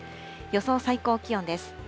予想最高気温です。